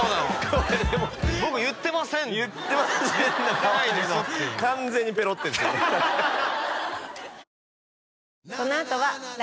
これでも僕言ってません言ってませんの顔だけど完全にペロってんですよハハハハ！